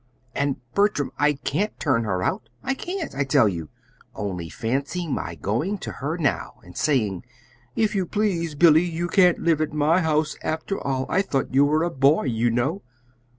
"And, Bertram, I can't turn her out I can't, I tell you. Only fancy my going to her now and saying: 'If you please, Billy, you can't live at my house, after all. I thought you were a boy, you know!'